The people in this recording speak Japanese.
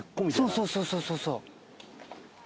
そうそうそうそうそう。